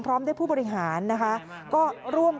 พร้อมได้ผู้บริหารก็ร่วมกันนำดอกไม้